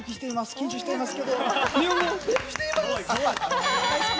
緊張しています。